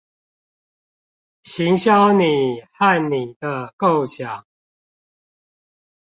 行銷你和你的構想